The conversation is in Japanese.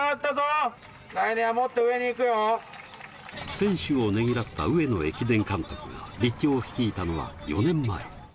選手をねぎらった上野駅伝監督が立教を率いたのは４年前。